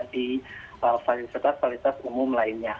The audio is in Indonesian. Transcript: di fasilitas fasilitas umum lainnya